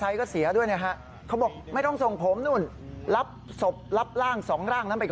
ใช่มีไหล่กระจกแดงน่ะไอ้ที่ยนต์ม้า